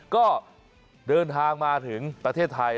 ก็เดินทางมาถึงประเทศไทย